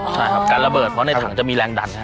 ใช่ครับการระเบิดเพราะในถังจะมีแรงดัน